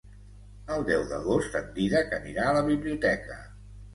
El deu d'agost en Dídac anirà a la biblioteca.